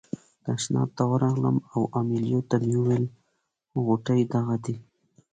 تشناب ته ورغلم او امیلیو ته مې وویل غوټې دغه دي.